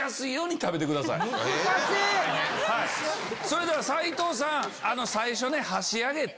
それでは斉藤さん最初箸上げ。